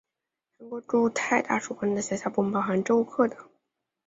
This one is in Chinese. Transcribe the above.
韩国驻泰大使馆的辖下部门包含政务课等。